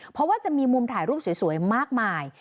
เพราะว่าจะมีมุมถ่ายรูปสวยมากมาย